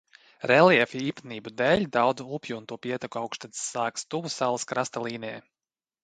Reljefa īpatnību dēļ daudzu upju un to pieteku augšteces sākas tuvu salas krasta līnijai.